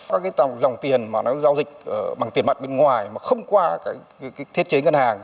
các cái dòng tiền mà nó giao dịch bằng tiền mặt bên ngoài mà không qua cái thiết chế ngân hàng